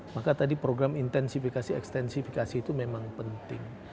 maka tadi program intensifikasi ekstensifikasi itu memang penting